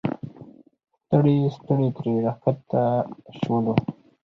ستړي ستړي ترې راښکته شولو.